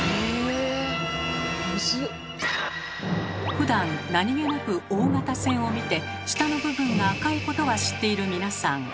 ふだんなにげなく大型船を見て下の部分が赤いことは知っている皆さん